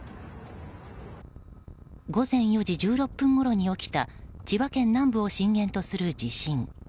午前４時１６分ごろに起きた千葉県南部を震源とする地震。